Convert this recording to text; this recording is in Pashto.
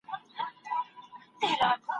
څېړونکی باید د نوي کهول لپاره ښه بېلګه واوسي.